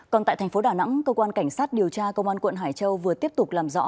còn tại thành phố đà nẵng cơ quan cảnh sát điều tra công an quận hải châu vừa tiếp tục làm rõ